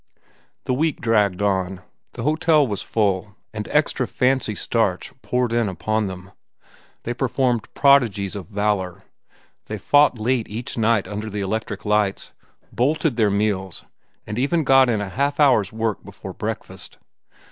The week dragged on. The hotel was full, and extra "fancy starch" poured in upon them. They performed prodigies of valor. They fought late each night under the electric lights, bolted their meals, and even got in a half hour's work before breakfast.